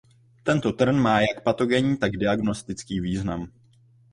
Tento trn má jak patogenní tak diagnostický význam.